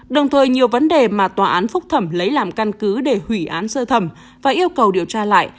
đồng thời nhiều vấn đề mà tòa án phúc thẩm lấy làm căn cứ để hủy án sơ thẩm và yêu cầu điều tra lại